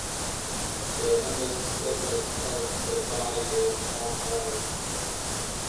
The undersurface of the body is off-white.